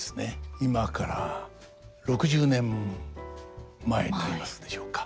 今から６０年前になりますでしょうか。